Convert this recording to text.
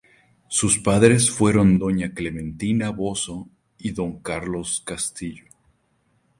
Sus padres fueron doña Clementina Bozo y don Carlos Castillo.